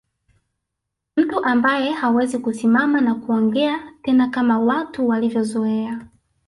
Mtu ambae hawezi kusimama na kuongea tena kama watu walivyozoea